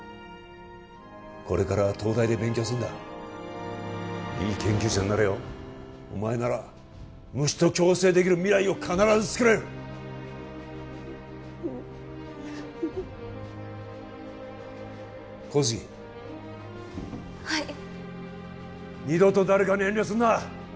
これからは東大で勉強するんだいい研究者になれよお前なら虫と共生できる未来を必ずつくれるうん小杉はい二度と誰かに遠慮すんな！